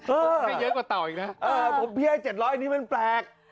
เออเออผมให้๗๐๐นี่มันแปลกเออไม่เยอะกว่าเต่าอีกนะ